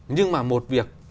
nhưng mà một việc